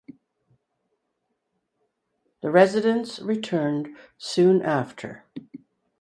The residents returned soon after.